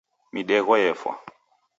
Midegho yefwa.